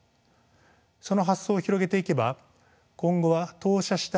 その発想を広げていけば今後は投射した